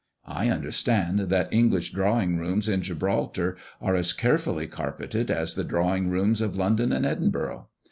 I understand that English drawing rooms at Gibraltar are as carefully carpeted as the drawing rooms of London and Edinburgh.